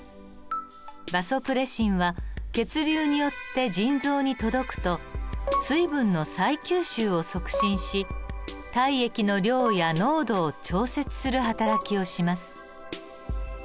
バソプレシンは血流によって腎臓に届くと水分の再吸収を促進し体液の量や濃度を調節するはたらきをします。